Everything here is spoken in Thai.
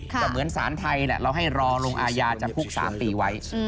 ก็เหมือนสารไทยแหละเราให้รอลงอาญาจำคุก๓ปีไว้